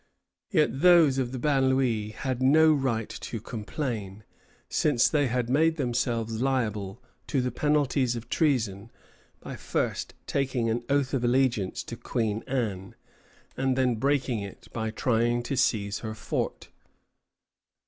Yet those of the banlieue had no right to complain, since they had made themselves liable to the penalties of treason by first taking an oath of allegiance to Queen Anne, and then breaking it by trying to seize her fort.